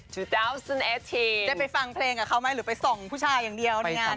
จะไปฟังเพลงกับเขาไหมหรือไปส่องผู้ชายอย่างเดียวในงานน่ะ